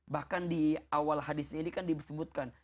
bahkan di awal hadis ini kan disebutkan